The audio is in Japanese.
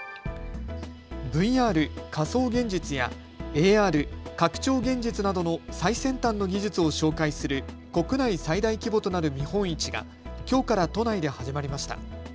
ＶＲ・仮想現実やＡＲ・拡張現実などの最先端の技術を紹介する国内最大規模となる見本市がきょうから都内で始まりました。